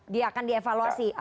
dia akan dievaluasi